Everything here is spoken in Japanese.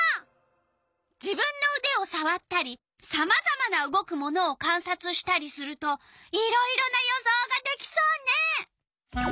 自分のうでをさわったりさまざまな動くものをかんさつしたりするといろいろな予想ができそうね。